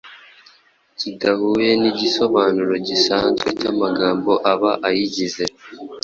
kidahuye n’igisobanuro gisanzwe cy’amagambo aba ayigize.